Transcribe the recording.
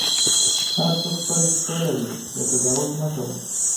هر څوک خپله کیسه لري، پرې قضاوت مه کوه.